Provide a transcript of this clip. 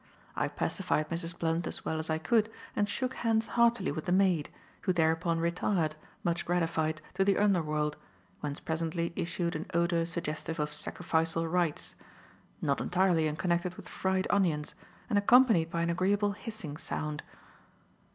I pacified Mrs. Blunt as well as I could and shook hands heartily with the maid, who thereupon retired, much gratified, to the underworld, whence presently issued an odour suggestive of sacrificial rites, not entirely unconnected with fried onions, and accompanied by an agreeable hissing sound.